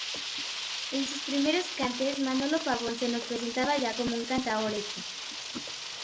En sus primeros cantes, Manolo Pavón se nos presentaba ya como un cantaor hecho.